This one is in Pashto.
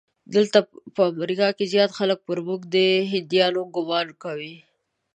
دلته په امریکا کې زیات خلک پر موږ د هندیانو ګومان کوي.